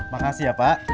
makasih ya pak